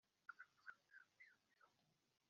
Inama Ya Diyosezi Iterana